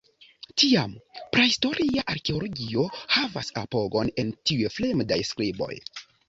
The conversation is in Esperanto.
Tiam, prahistoria arkeologio havas apogon en tiuj fremdaj skriboj.